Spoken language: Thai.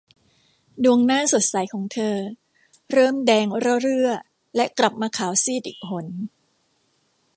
ดวงหน้าสดใสของเธอ เริ่มแดงระเรื่อและกลับมาขาวซีดอีกหน